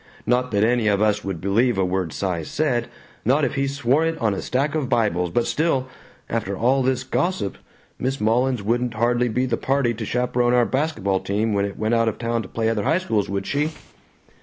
Not that any of us would believe a word Cy said, not if he swore it on a stack of Bibles, but still, after all this gossip, Miss Mullins wouldn't hardly be the party to chaperon our basket ball team when it went out of town to play other high schools, would she!"